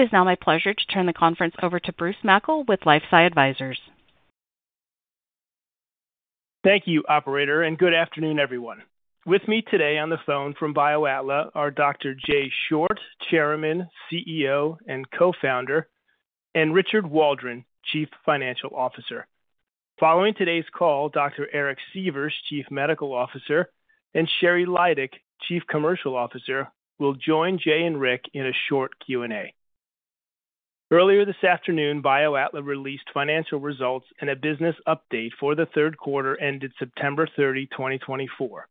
It is now my pleasure to turn the conference over to Bruce Mackle with LifeSci Advisors. Thank you, Operator, and good afternoon, everyone. With me today on the phone from BioAtla are Dr. Jay Short, Chairman, CEO, and Co-founder, and Richard Waldron, Chief Financial Officer. Following today's call, Dr. Eric Sievers, Chief Medical Officer, and Sheri Lydick, Chief Commercial Officer, will join Jay and Rick in a short Q&A. Earlier this afternoon, BioAtla released financial results and a business update for the third quarter ended September 30, 2024.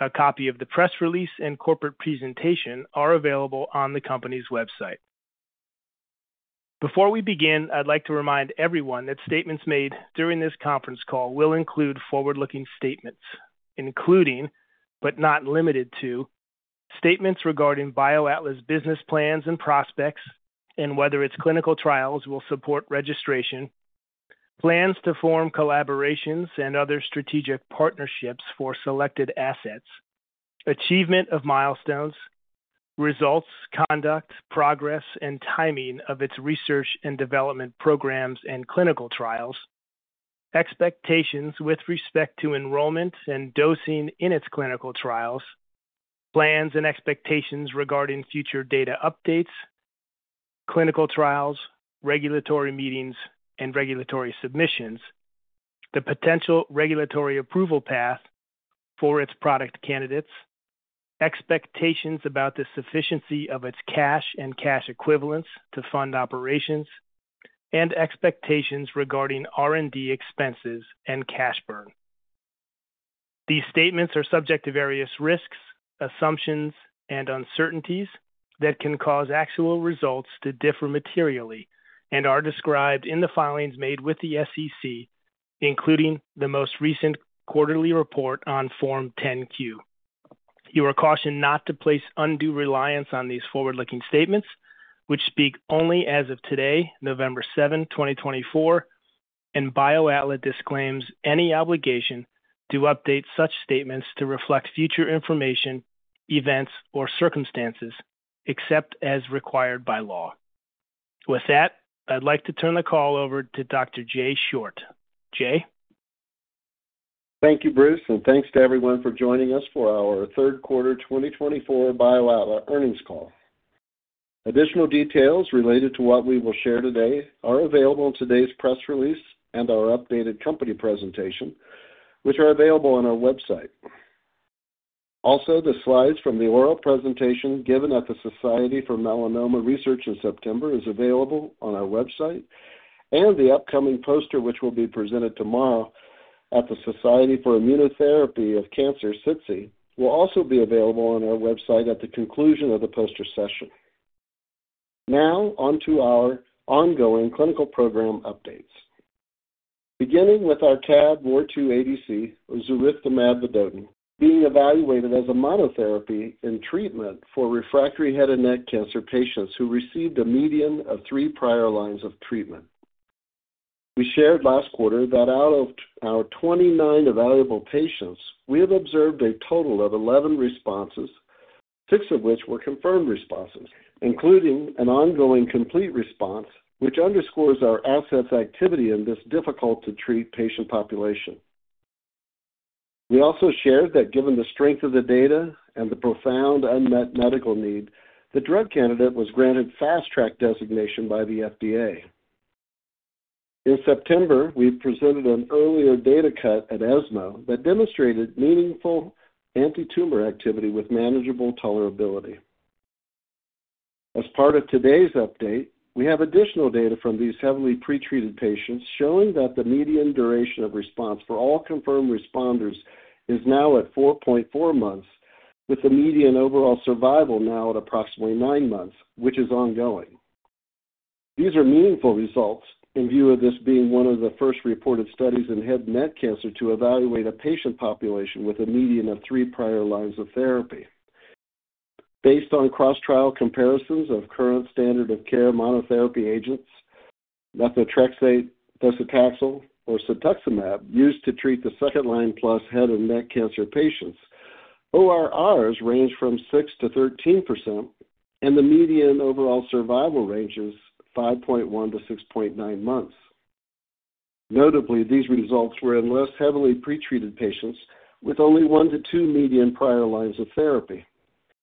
A copy of the press release and corporate presentation are available on the company's website. Before we begin, I'd like to remind everyone that statements made during this conference call will include forward-looking statements, including, but not limited to, statements regarding BioAtla's business plans and prospects, and whether its clinical trials will support registration, plans to form collaborations and other strategic partnerships for selected assets, achievement of milestones, results, conduct, progress, and timing of its research and development programs and clinical trials, expectations with respect to enrollment and dosing in its clinical trials, plans and expectations regarding future data updates, clinical trials, regulatory meetings, and regulatory submissions, the potential regulatory approval path for its product candidates, expectations about the sufficiency of its cash and cash equivalents to fund operations, and expectations regarding R&D expenses and cash burn. These statements are subject to various risks, assumptions, and uncertainties that can cause actual results to differ materially and are described in the filings made with the SEC, including the most recent quarterly report on Form 10-Q. You are cautioned not to place undue reliance on these forward-looking statements, which speak only as of today, November 7, 2024, and BioAtla disclaims any obligation to update such statements to reflect future information, events, or circumstances, except as required by law. With that, I'd like to turn the call over to Dr. Jay Short. Jay? Thank you, Bruce, and thanks to everyone for joining us for our Third Quarter 2024 BioAtla Earnings Call. Additional details related to what we will share today are available in today's press release and our updated company presentation, which are available on our website. Also, the slides from the oral presentation given at the Society for Melanoma Research in September are available on our website, and the upcoming poster, which will be presented tomorrow at the Society for Immunotherapy of Cancer, SITC, will also be available on our website at the conclusion of the poster session. Now, on to our ongoing clinical program updates. Beginning with our CAB-ROR2-ADC, ozuriftamab vedotin, being evaluated as a monotherapy in treatment for refractory head and neck cancer patients who received a median of three prior lines of treatment. We shared last quarter that out of our 29 evaluable patients, we have observed a total of 11 responses, six of which were confirmed responses, including an ongoing complete response, which underscores our asset's activity in this difficult-to-treat patient population. We also shared that given the strength of the data and the profound unmet medical need, the drug candidate was granted Fast Track Designation by the FDA. In September, we presented an earlier data cut at ESMO that demonstrated meaningful anti-tumor activity with manageable tolerability. As part of today's update, we have additional data from these heavily pretreated patients showing that the median duration of response for all confirmed responders is now at 4.4 months, with the median overall survival now at approximately nine months, which is ongoing. These are meaningful results in view of this being one of the first reported studies in head and neck cancer to evaluate a patient population with a median of three prior lines of therapy. Based on cross-trial comparisons of current standard of care monotherapy agents, methotrexate, docetaxel, or cetuximab used to treat the second-line plus head and neck cancer patients, ORRs range from six to 13%, and the median overall survival ranges 5.1-6.9 months. Notably, these results were in less heavily pretreated patients with only one to two median prior lines of therapy.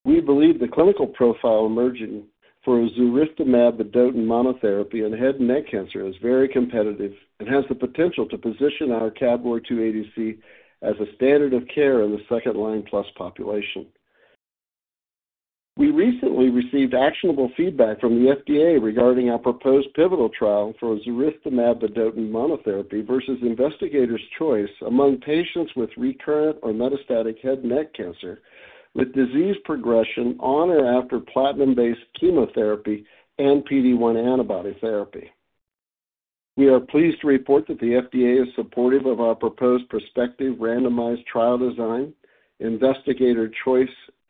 We believe the clinical profile emerging for ozuriftamab vedotin monotherapy in head and neck cancer is very competitive and has the potential to position our CAB-ROR2-ADC as a standard of care in the second-line plus population. We recently received actionable feedback from the FDA regarding our proposed pivotal trial for ozuriftamab vedotin monotherapy versus investigator's choice among patients with recurrent or metastatic head and neck cancer with disease progression on or after platinum-based chemotherapy and PD-1 antibody therapy. We are pleased to report that the FDA is supportive of our proposed prospective randomized trial design, investigator's choice,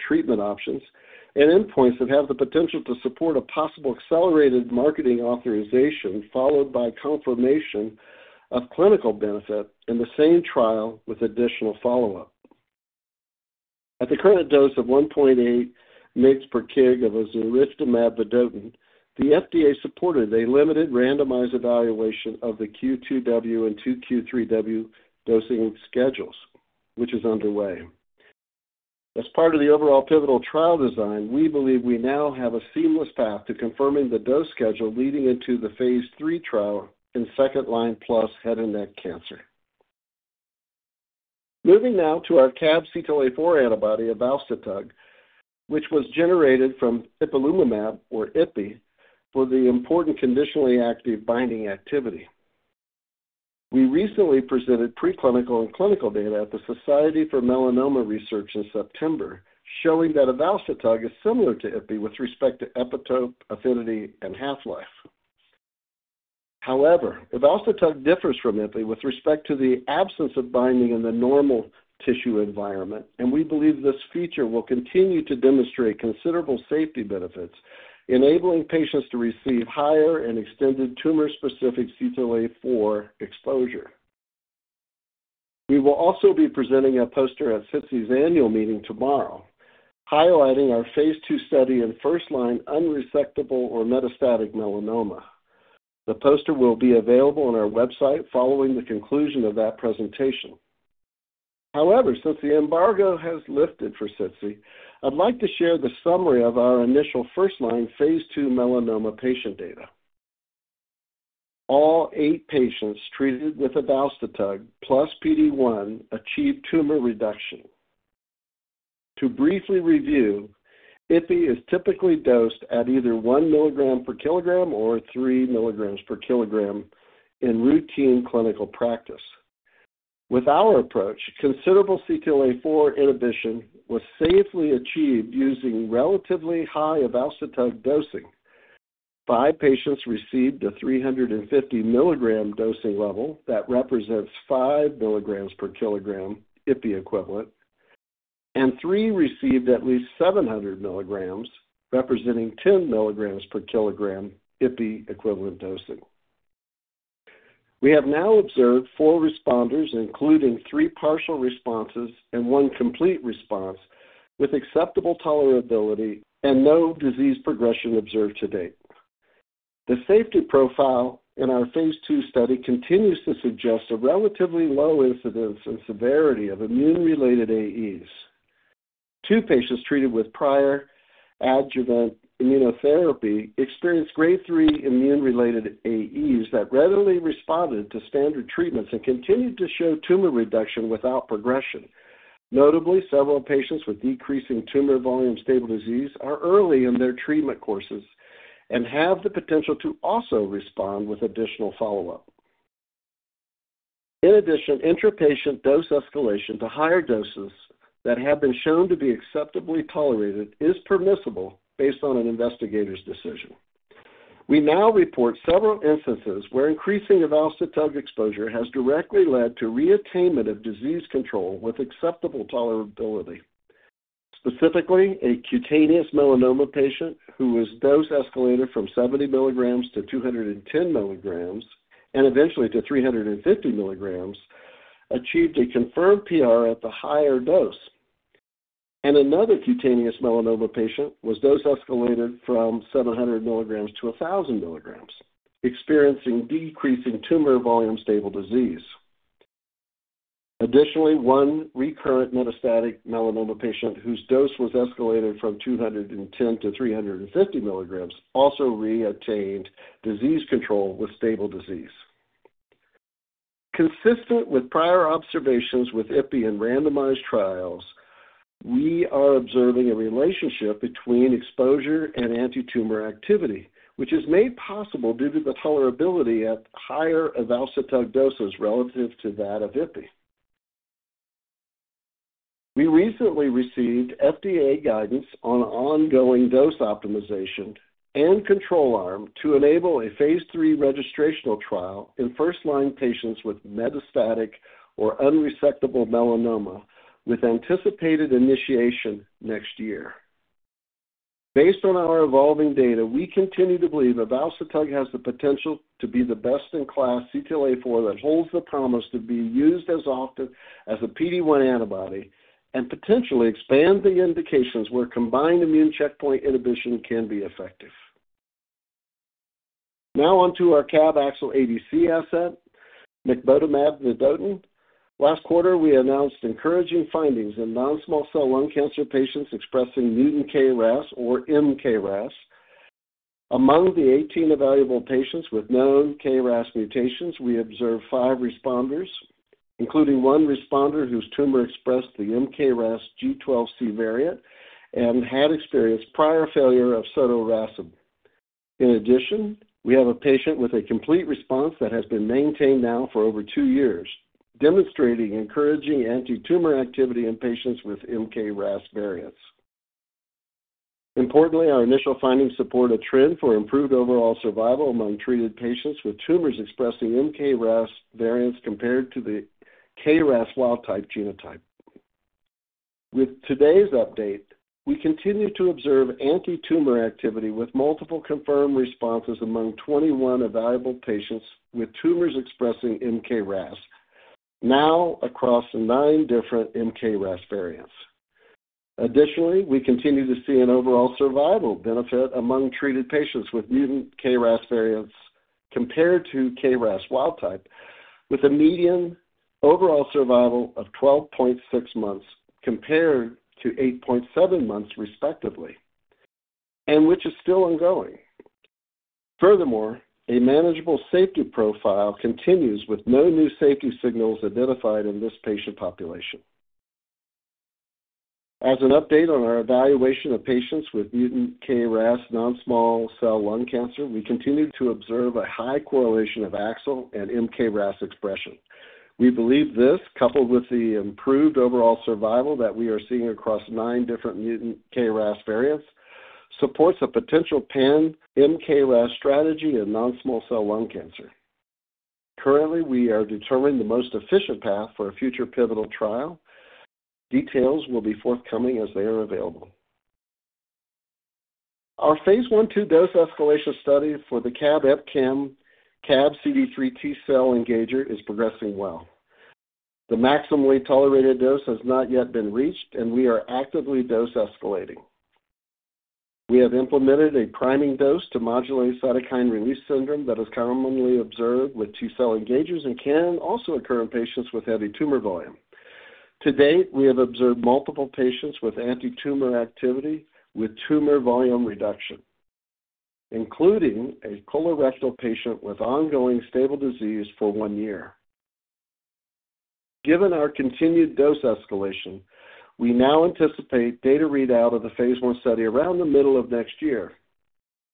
treatment options, and endpoints that have the potential to support a possible accelerated marketing authorization followed by confirmation of clinical benefit in the same trial with additional follow-up. At the current dose of 1.8 mg/kg of ozuriftamab vedotin, the FDA supported a limited randomized evaluation of the Q2W and 2Q3W dosing schedules, which is underway. As part of the overall pivotal trial design, we believe we now have a seamless path to confirming the dose schedule leading into the phase III trial in second-line plus head and neck cancer. Moving now to our CAB CTLA-4 antibody of evalstotug, which was generated from ipilimumab, or IPI, for the important conditionally active binding activity. We recently presented preclinical and clinical data at the Society for Melanoma Research in September showing that evalstotug is similar to IPI with respect to epitope, affinity, and half-life. However, evalstotug differs from IPI with respect to the absence of binding in the normal tissue environment, and we believe this feature will continue to demonstrate considerable safety benefits, enabling patients to receive higher and extended tumor-specific CTLA-4 exposure. We will also be presenting a poster at SITC's annual meeting tomorrow highlighting our phase II study in first-line unresectable or metastatic melanoma. The poster will be available on our website following the conclusion of that presentation. However, since the embargo has lifted for SITC, I'd like to share the summary of our initial first-line phase II melanoma patient data. All eight patients treated with evalstotug plus PD-1 achieved tumor reduction. To briefly review, IPI is typically dosed at either 1 mg/kg or 3 mg/kg in routine clinical practice. With our approach, considerable CTLA-4 inhibition was safely achieved using relatively high evalstotug dosing. Five patients received a 350 mg dosing level that represents 5 mg/kg IPI equivalent, and three received at least 700 mg, representing 10 mg/kg IPI equivalent dosing. We have now observed four responders, including three partial responses and one complete response with acceptable tolerability and no disease progression observed to date. The safety profile in our phase II study continues to suggest a relatively low incidence and severity of immune-related AEs. Two patients treated with prior adjuvant immunotherapy experienced grade 3 immune-related AEs that readily responded to standard treatments and continued to show tumor reduction without progression. Notably, several patients with decreasing tumor volume stable disease are early in their treatment courses and have the potential to also respond with additional follow-up. In addition, intrapatient dose escalation to higher doses that have been shown to be acceptably tolerated is permissible based on an investigator's decision. We now report several instances where increasing evalstotug exposure has directly led to reattainment of disease control with acceptable tolerability. Specifically, a cutaneous melanoma patient who was dose escalated from 70 mg to 210 mg and eventually to 350 mg achieved a confirmed PR at the higher dose, and another cutaneous melanoma patient was dose escalated from 700 mg to 1,000 mg, experiencing decreasing tumor volume stable disease. Additionally, one recurrent metastatic melanoma patient whose dose was escalated from 210 to 350 mg also reattained disease control with stable disease. Consistent with prior observations with IPI in randomized trials, we are observing a relationship between exposure and anti-tumor activity, which is made possible due to the tolerability at higher evalstotug doses relative to that of IPI. We recently received FDA guidance on ongoing dose optimization and control arm to enable a phase III registrational trial in first-line patients with metastatic or unresectable melanoma, with anticipated initiation next year. Based on our evolving data, we continue to believe evalstotug has the potential to be the best-in-class CTLA-4 that holds the promise to be used as often as a PD-1 antibody and potentially expand the indications where combined immune checkpoint inhibition can be effective. Now, on to our CAB-AXL-ADC asset, mecbotamab vedotin. Last quarter, we announced encouraging findings in non-small cell lung cancer patients expressing mutant KRAS or mKRAS. Among the 18 evaluable patients with known KRAS mutations, we observed five responders, including one responder whose tumor expressed the mKRAS G12C variant and had experienced prior failure of sotorasib. In addition, we have a patient with a complete response that has been maintained now for over two years, demonstrating encouraging anti-tumor activity in patients with mKRAS variants. Importantly, our initial findings support a trend for improved overall survival among treated patients with tumors expressing mKRAS variants compared to the KRAS wild type genotype. With today's update, we continue to observe anti-tumor activity with multiple confirmed responses among 21 evaluable patients with tumors expressing mKRAS, now across nine different mKRAS variants. Additionally, we continue to see an overall survival benefit among treated patients with mutant KRAS variants compared to KRAS wild type, with a median overall survival of 12.6 months compared to 8.7 months, respectively, and which is still ongoing. Furthermore, a manageable safety profile continues with no new safety signals identified in this patient population. As an update on our evaluation of patients with mutant KRAS non-small cell lung cancer, we continue to observe a high correlation of AXL and mKRAS expression. We believe this, coupled with the improved overall survival that we are seeing across nine different mutant KRAS variants, supports a potential pan-mKRAS strategy in non-small cell lung cancer. Currently, we are determining the most efficient path for a future pivotal trial. Details will be forthcoming as they are available. Our phase I dose escalation study for the CAB-EpCAM x CD3 T cell engager is progressing well. The maximally tolerated dose has not yet been reached, and we are actively dose escalating. We have implemented a priming dose to modulate cytokine release syndrome that is commonly observed with T cell engagers and can also occur in patients with heavy tumor volume. To date, we have observed multiple patients with anti-tumor activity with tumor volume reduction, including a colorectal patient with ongoing stable disease for one year. Given our continued dose escalation, we now anticipate data readout of the phase I study around the middle of next year.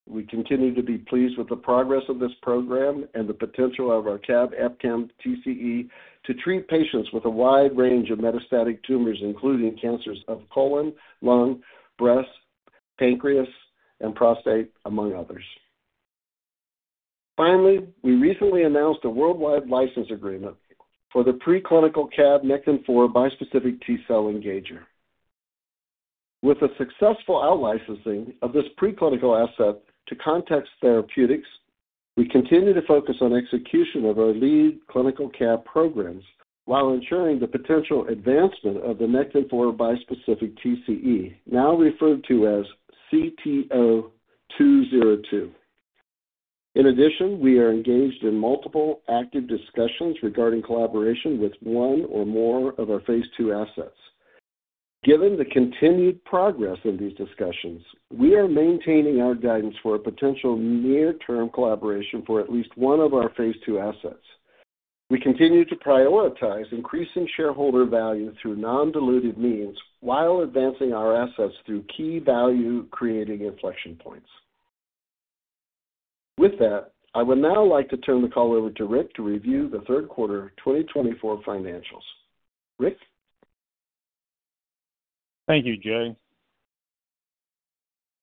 We continue to be pleased with the progress of this program and the potential of our CAB-EpCAM TCE to treat patients with a wide range of metastatic tumors, including cancers of colon, lung, breast, pancreas, and prostate, among others. Finally, we recently announced a worldwide license agreement for the preclinical CAB-Nectin-4 bispecific T cell engager. With the successful outlicensing of this preclinical asset to Context Therapeutics, we continue to focus on execution of our lead clinical CAB programs while ensuring the potential advancement of the Nectin-4 bispecific TCE, now referred to as CT-202. In addition, we are engaged in multiple active discussions regarding collaboration with one or more of our phase II assets. Given the continued progress in these discussions, we are maintaining our guidance for a potential near-term collaboration for at least one of our phase II assets. We continue to prioritize increasing shareholder value through non-dilutive means while advancing our assets through key value-creating inflection points. With that, I would now like to turn the call over to Rick to review the third quarter 2024 financials. Rick? Thank you, Jay.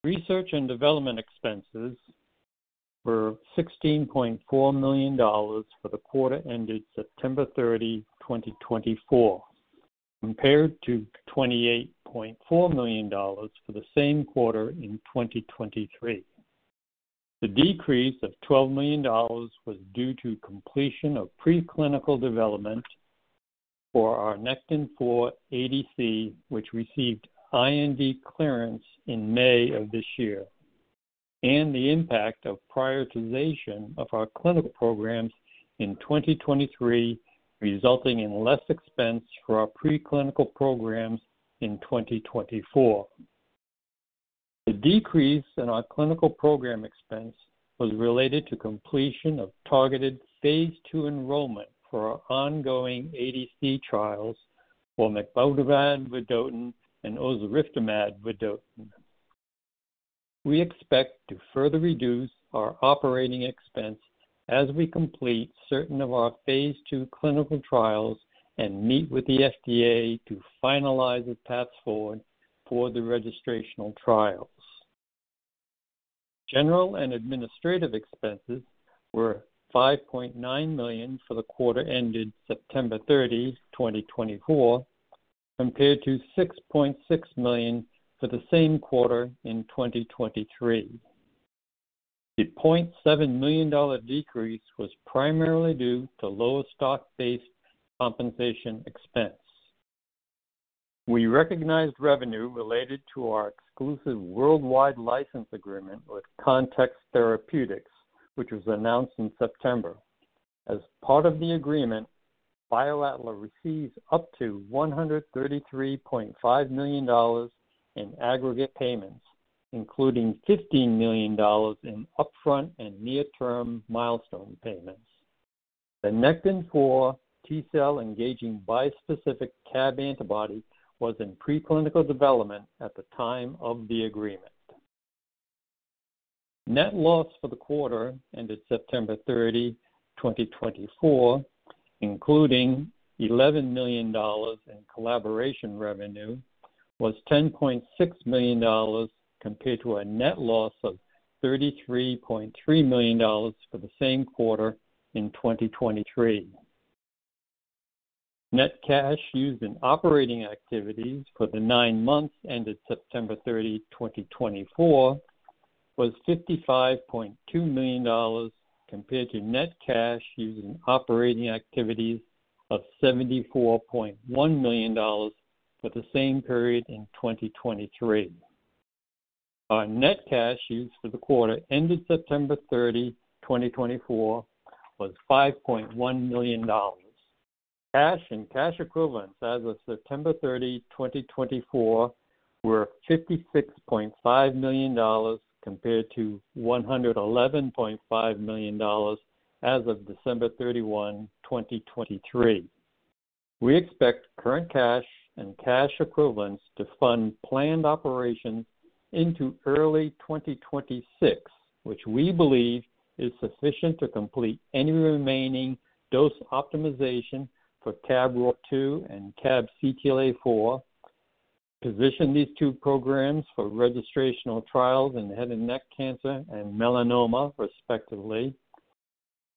Research and development expenses were $16.4 million for the quarter ended September 30, 2024, compared to $28.4 million for the same quarter in 2023. The decrease of $12 million was due to completion of preclinical development for our Nectin-4 ADC, which received IND clearance in May of this year, and the impact of prioritization of our clinical programs in 2023, resulting in less expense for our preclinical programs in 2024. The decrease in our clinical program expense was related to completion of targeted phase II enrollment for our ongoing ADC trials for mecbotamab vedotin and ozuriftamab vedotin. We expect to further reduce our operating expense as we complete certain of our phase II clinical trials and meet with the FDA to finalize the path forward for the registrational trials. General and administrative expenses were $5.9 million for the quarter ended September 30, 2024, compared to $6.6 million for the same quarter in 2023. The $0.7 million decrease was primarily due to lower stock-based compensation expense. We recognized revenue related to our exclusive worldwide license agreement with Context Therapeutics, which was announced in September. As part of the agreement, BioAtla receives up to $133.5 million in aggregate payments, including $15 million in upfront and near-term milestone payments. The Nectin-4 T cell engaging bispecific CAB antibody was in preclinical development at the time of the agreement. Net loss for the quarter ended September 30, 2024, including $11 million in collaboration revenue, was $10.6 million compared to a net loss of $33.3 million for the same quarter in 2023. Net cash used in operating activities for the nine months ended September 30, 2024, was $55.2 million compared to net cash used in operating activities of $74.1 million for the same period in 2023. Our net cash used for the quarter ended September 30, 2024, was $5.1 million. Cash and cash equivalents as of September 30, 2024, were $56.5 million compared to $111.5 million as of December 31, 2023. We expect current cash and cash equivalents to fund planned operations into early 2026, which we believe is sufficient to complete any remaining dose optimization for CAB-ROR2 and CAB-CTLA-4, position these two programs for registrational trials in head and neck cancer and melanoma, respectively,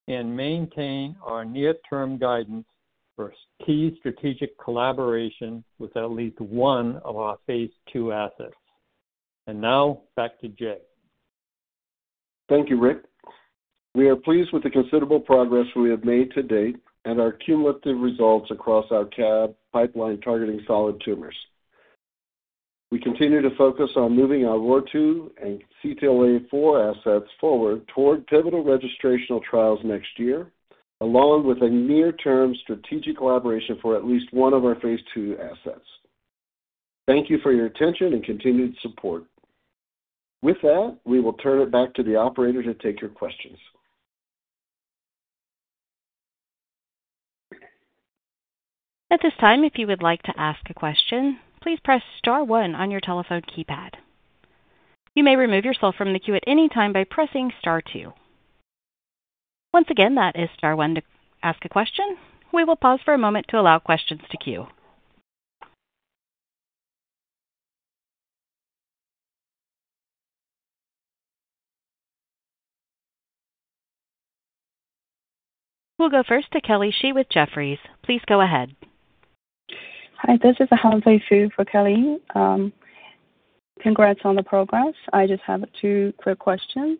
and maintain our near-term guidance for key strategic collaboration with at least one of our phase II assets. And now, back to Jay. Thank you, Rick. We are pleased with the considerable progress we have made to date and our cumulative results across our CAB pipeline targeting solid tumors. We continue to focus on moving our ROR2 and CTLA-4 assets forward toward pivotal registrational trials next year, along with a near-term strategic collaboration for at least one of our phase II assets. Thank you for your attention and continued support. With that, we will turn it back to the operator to take your questions. At this time, if you would like to ask a question, please press star one on your telephone keypad. You may remove yourself from the queue at any time by pressing star two. Once again, that is star one to ask a question. We will pause for a moment to allow questions to queue. We'll go first to Kelly Shi with Jefferies. Please go ahead. Hi, this is Hansai Shu for Kelly. Congrats on the progress. I just have two quick questions.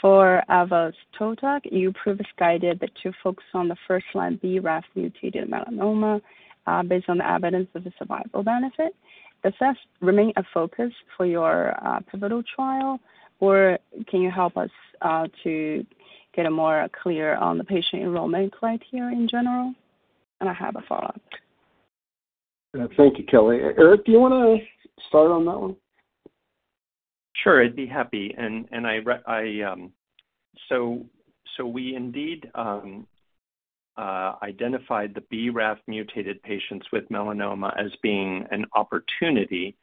For evalstotug, you previously guided to focus on the first-line BRAF mutated melanoma based on the evidence of the survival benefit. Does this remain a focus for your pivotal trial, or can you help us to get more clarity on the patient enrollment criteria in general? And I have a follow-up. Thank you, Kelly. Eric, do you want to start on that one? Sure, I'd be happy. And so we indeed identified the BRAF mutated patients with melanoma as being an opportunity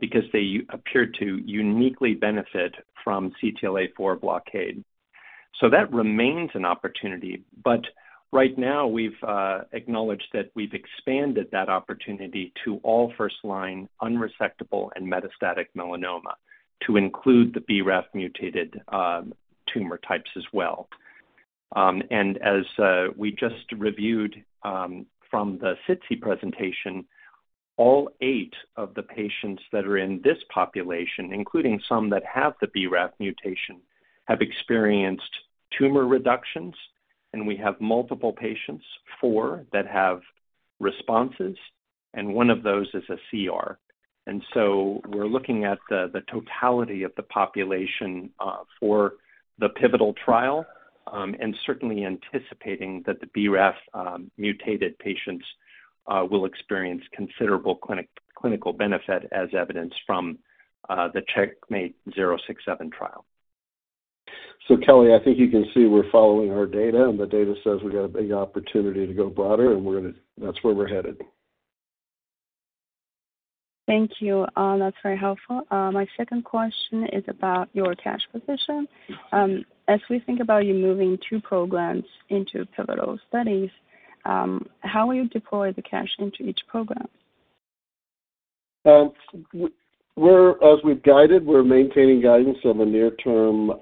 because they appeared to uniquely benefit from CTLA-4 blockade. So that remains an opportunity. But right now, we've acknowledged that we've expanded that opportunity to all first-line unresectable and metastatic melanoma to include the BRAF mutated tumor types as well. And as we just reviewed from the SITC presentation, all eight of the patients that are in this population, including some that have the BRAF mutation, have experienced tumor reductions. And we have multiple patients, four that have responses, and one of those is a CR. And so we're looking at the totality of the population for the pivotal trial and certainly anticipating that the BRAF mutated patients will experience considerable clinical benefit, as evidenced from the CheckMate 067 trial. So Kelly, I think you can see we're following our data, and the data says we've got a big opportunity to go broader, and that's where we're headed. Thank you. That's very helpful. My second question is about your cash position. As we think about you moving two programs into pivotal studies, how will you deploy the cash into each program? As we've guided, we're maintaining guidance on the near-term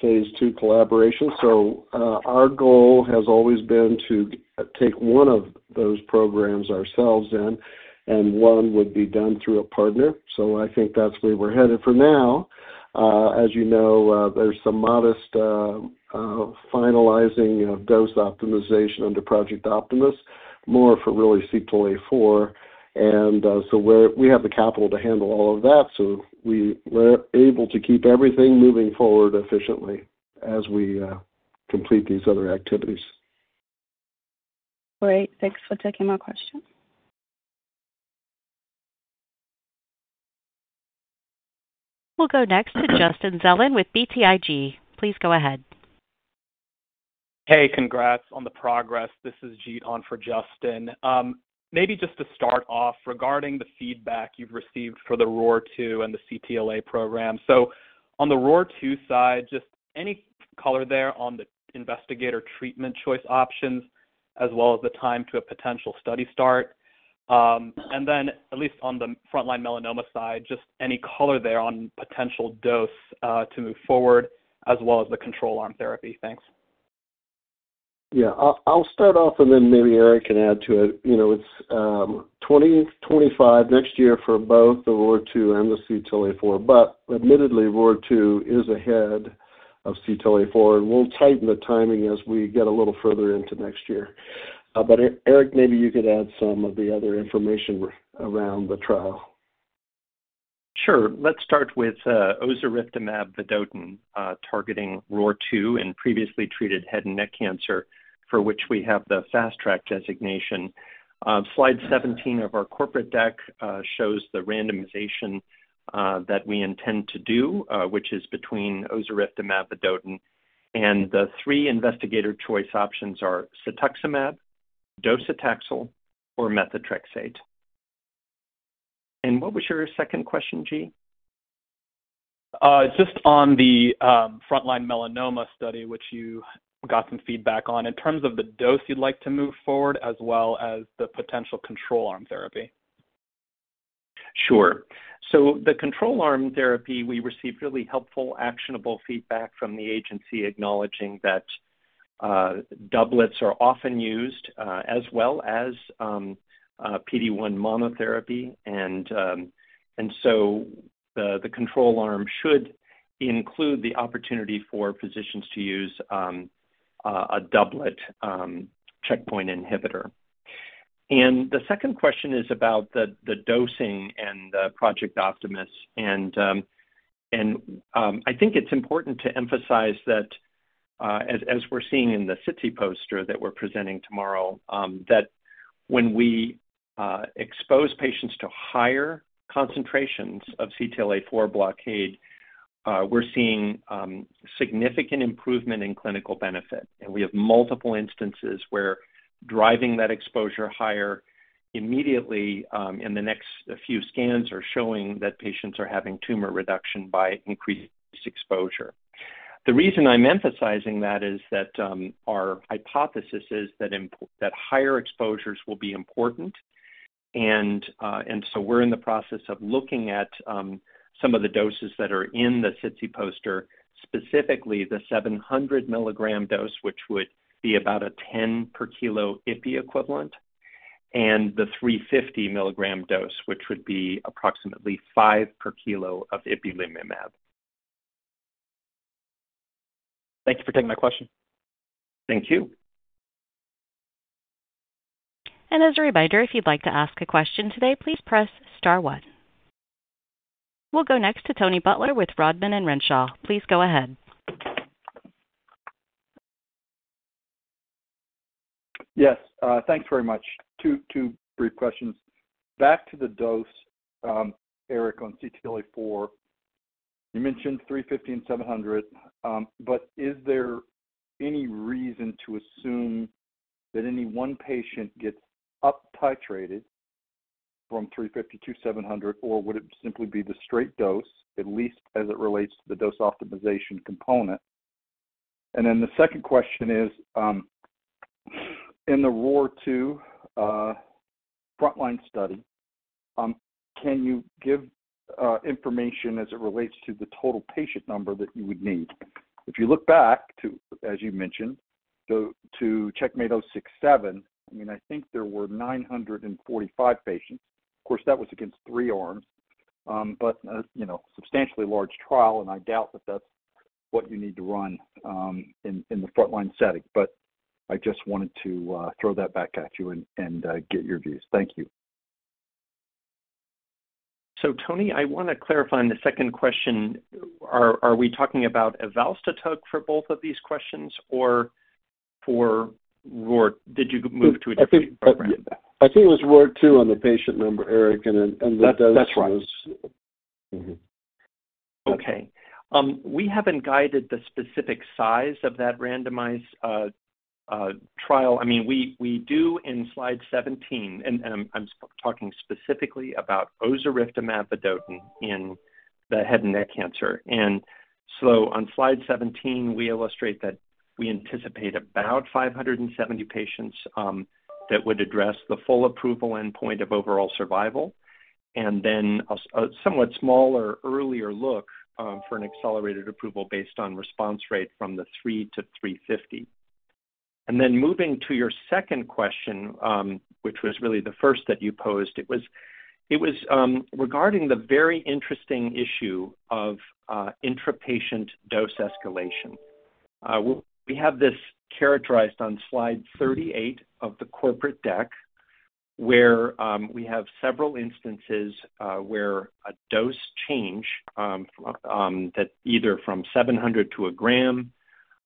phase II collaboration. So our goal has always been to take one of those programs ourselves in, and one would be done through a partner. So I think that's where we're headed for now. As you know, there's some modest finalizing of dose optimization under Project Optimus, more for really CTLA-4. And so we have the capital to handle all of that, so we're able to keep everything moving forward efficiently as we complete these other activities. Great. Thanks for taking my question. We'll go next to Justin Zelin with BTIG. Please go ahead. Hey, congrats on the progress. This is Jeet on for Justin. Maybe just to start off regarding the feedback you've received for the ROR2 and the CTLA program. So on the ROR2 side, just any color there on the investigator's choice options as well as the time to a potential study start. And then at least on the front-line melanoma side, just any color there on potential dose to move forward as well as the control arm therapy. Thanks. Yeah. I'll start off, and then maybe Eric can add to it. It's 2025 next year for both the ROR2 and the CTLA-4. But admittedly, ROR2 is ahead of CTLA-4, and we'll tighten the timing as we get a little further into next year. But Eric, maybe you could add some of the other information around the trial. Sure. Let's start with ozuriftamab vedotin targeting ROR2 and previously treated head and neck cancer, for which we have the Fast Track designation. Slide 17 of our corporate deck shows the randomization that we intend to do, which is between ozuriftamab vedotin and the three investigator's choice options: cetuximab, docetaxel, or methotrexate. And what was your second question, Jeet? Just on the front-line melanoma study, which you got some feedback on, in terms of the dose you'd like to move forward as well as the potential control arm therapy. Sure. So the control arm therapy, we received really helpful, actionable feedback from the agency acknowledging that doublets are often used, as well as PD-1 monotherapy. And so the control arm should include the opportunity for physicians to use a doublet checkpoint inhibitor. And the second question is about the dosing and the Project Optimus. I think it's important to emphasize that, as we're seeing in the SITC poster that we're presenting tomorrow, that when we expose patients to higher concentrations of CTLA-4 blockade, we're seeing significant improvement in clinical benefit. We have multiple instances where driving that exposure higher immediately in the next few scans are showing that patients are having tumor reduction by increased exposure. The reason I'm emphasizing that is that our hypothesis is that higher exposures will be important. We're in the process of looking at some of the doses that are in the SITC poster, specifically the 700 milligram dose, which would be about a 10 per kilo IPI equivalent, and the 350 milligram dose, which would be approximately 5 per kilo of ipilimumab. Thank you for taking my question. Thank you. And as a reminder, if you'd like to ask a question today, please press Star 1. We'll go next to Tony Butler with Rodman & Renshaw. Please go ahead. Yes. Thanks very much. Two brief questions. Back to the dose, Eric, on CTLA-4, you mentioned 350 and 700. But is there any reason to assume that any one patient gets uptitrated from 350 to 700, or would it simply be the straight dose, at least as it relates to the dose optimization component? And then the second question is, in the ROR2 front-line study, can you give information as it relates to the total patient number that you would need? If you look back to, as you mentioned, to CheckMate 067, I mean, I think there were 945 patients. Of course, that was against three arms, but a substantially large trial. I doubt that that's what you need to run in the front-line setting. But I just wanted to throw that back at you and get your views. Thank you. So Tony, I want to clarify on the second question. Are we talking about evalstotug for both of these questions, or for ROR2? Did you move to a different program? I think it was ROR2 on the patient number, Eric. And the dose was. That's right. Okay. We haven't guided the specific size of that randomized trial. I mean, we do in slide 17, and I'm talking specifically about ozuriftamab vedotin in the head and neck cancer. And so on slide 17, we illustrate that we anticipate about 570 patients that would address the full approval endpoint of overall survival. And then a somewhat smaller, earlier look for an accelerated approval based on response rate from the three to 350. And then moving to your second question, which was really the first that you posed, it was regarding the very interesting issue of intrapatient dose escalation. We have this characterized on slide 38 of the corporate deck, where we have several instances where a dose change that's either from 700 to a gram,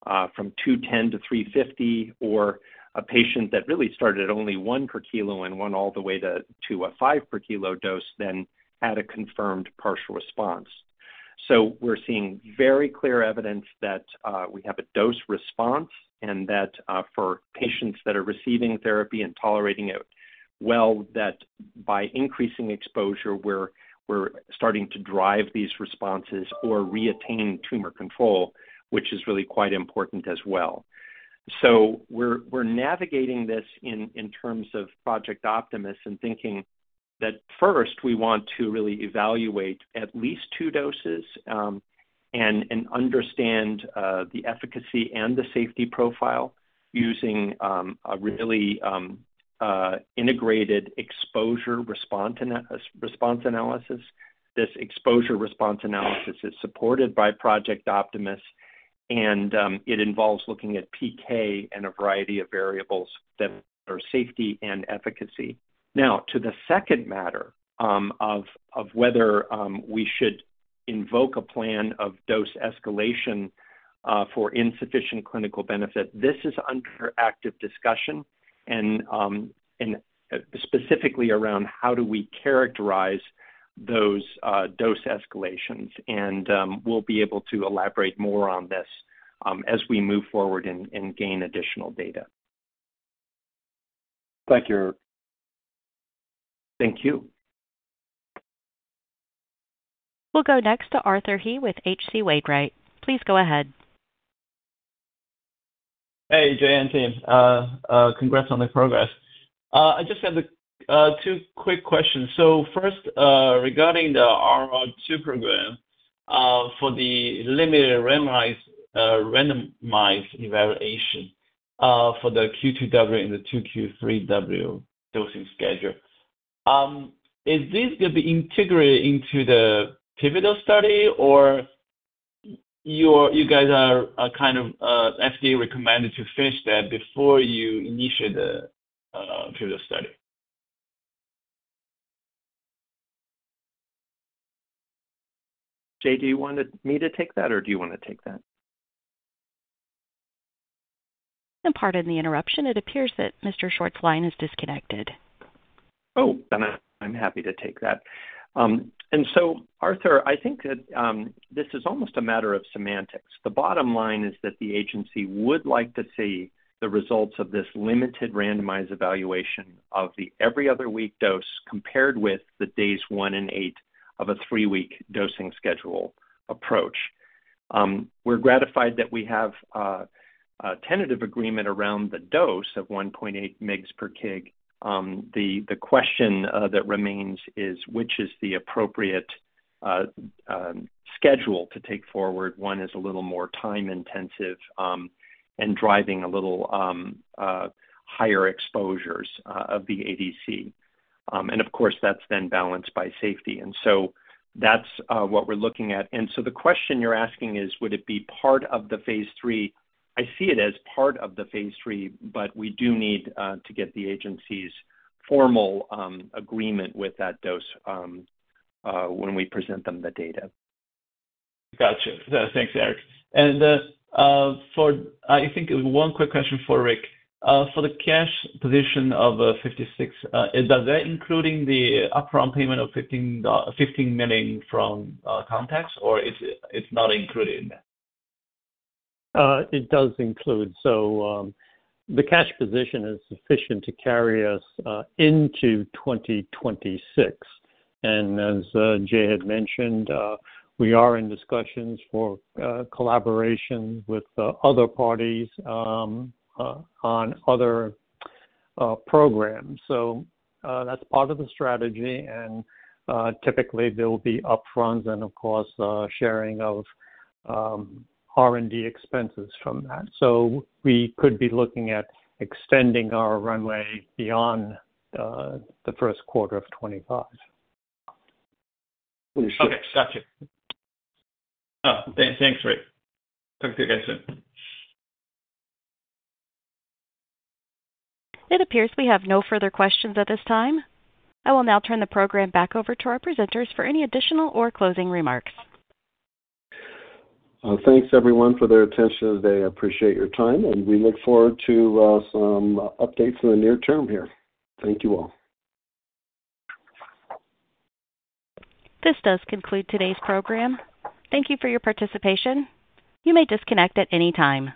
from 210 to 350, or a patient that really started at only one per kilo and went all the way to a five per kilo dose then had a confirmed partial response. So we're seeing very clear evidence that we have a dose response and that for patients that are receiving therapy and tolerating it well, that by increasing exposure, we're starting to drive these responses or reattain tumor control, which is really quite important as well. So we're navigating this in terms of Project Optimus and thinking that first, we want to really evaluate at least two doses and understand the efficacy and the safety profile using a really integrated exposure response analysis. This exposure response analysis is supported by Project Optimus, and it involves looking at PK and a variety of variables that are safety and efficacy. Now, to the second matter of whether we should invoke a plan of dose escalation for insufficient clinical benefit, this is under active discussion and specifically around how do we characterize those dose escalations. And we'll be able to elaborate more on this as we move forward and gain additional data. Thank you, Eric. Thank you. We'll go next to Arthur He with H.C. Wainwright. Please go ahead. Hey, Jay and team. Congrats on the progress. I just have two quick questions. So first, regarding the ROR2 program for the limited randomized evaluation for the Q2W and the 2Q3W dosing schedule, is this going to be integrated into the pivotal study, or you guys are kind of FDA recommended to finish that before you initiate the pivotal study? Jay, do you want me to take that, or do you want to take that? Pardon the interruption. It appears that Mr. Short's line is disconnected. Oh, then I'm happy to take that. And so, Arthur, I think that this is almost a matter of semantics. The bottom line is that the agency would like to see the results of this limited randomized evaluation of the every-other-week dose compared with the days one and eight of a three-week dosing schedule approach. We're gratified that we have a tentative agreement around the dose of 1.8 mg per kg. The question that remains is, which is the appropriate schedule to take forward? One is a little more time-intensive and driving a little higher exposures of the ADC, and of course, that's then balanced by safety, so that's what we're looking at, and so the question you're asking is, would it be part of the phase III? I see it as part of the phase III, but we do need to get the agency's formal agreement with that dose when we present them the data. Gotcha. Thanks, Eric, and I think one quick question for Rick. For the cash position of $56 million, is that including the upfront payment of $15 million from Context, or it's not included in that? It does include, so the cash position is sufficient to carry us into 2026. As Jay had mentioned, we are in discussions for collaboration with other parties on other programs. That's part of the strategy. Typically, there will be upfronts and, of course, sharing of R&D expenses from that. We could be looking at extending our runway beyond the first quarter of 2025. Okay. Gotcha. Thanks, Rick. Talk to you again soon. It appears we have no further questions at this time. I will now turn the program back over to our presenters for any additional or closing remarks. Thanks, everyone, for their attention today. I appreciate your time, and we look forward to some updates in the near term here. Thank you all. This does conclude today's program. Thank you for your participation. You may disconnect at any time.